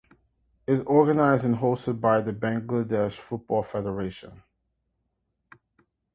It is organized and hosted by the Bangladesh Football Federation.